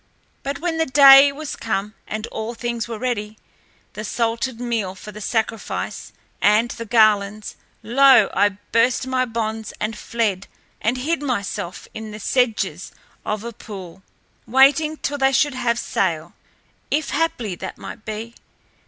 But when the day was come and all things were ready, the salted meal for the sacrifice and the garlands, lo! I burst my bonds and fled and hid myself in the sedges of a pool, waiting till they should have set sail, if haply that might be.